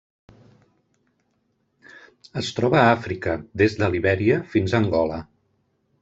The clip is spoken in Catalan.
Es troba a Àfrica: des de Libèria fins a Angola.